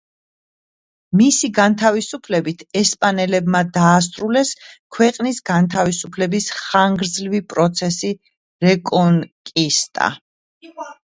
მისი გათავისუფლებით ესპანელებმა დაასრულეს ქვეყნის გათავისუფლების ხანგრძლივი პროცესი რეკონკისტა.